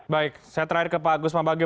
baik saya terakhir ke pak agus pambagio